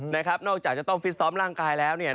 นอกจากจะต้องฟิตซ้อมร่างกายแล้วเนี่ย